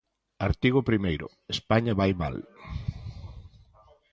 Artigo primeiro: España vai mal.